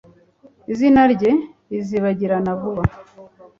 Izina rye rizibagirana vuba